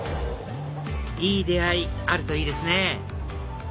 いい出会いあるといいですね